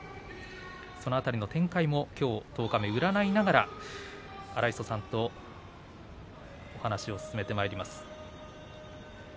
その辺りの展開もきょう十日目占いながら荒磯さんと話を進めてまいります。